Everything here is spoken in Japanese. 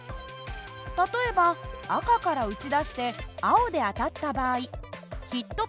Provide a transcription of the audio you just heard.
例えば赤から撃ち出して青で当たった場合ヒット